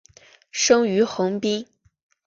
生于横滨。